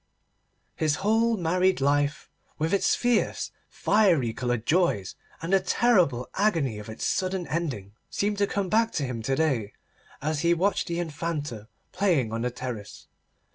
His whole married life, with its fierce, fiery coloured joys and the terrible agony of its sudden ending, seemed to come back to him to day as he watched the Infanta playing on the terrace.